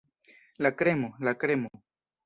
La kremo, la kremo!